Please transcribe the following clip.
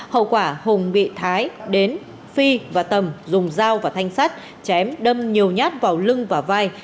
hậu quả hùng bị thái đến phi và tầm dùng dao và thanh sắt chém đâm nhiều nhát vào lưng và vai